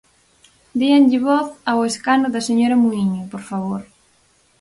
Déanlle voz ao escano da señora Muíño, por favor.